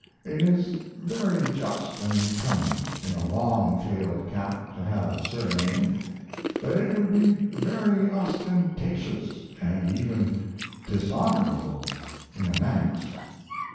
It is very just and becoming in a long tailed cat to have a surname, but it would be very ostentatious, and even dishonorable, in a manx.